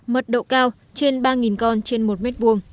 mật độ cao trên ba con trên một m hai